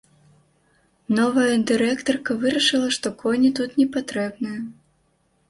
Новая дырэктарка вырашыла, што коні тут непатрэбныя.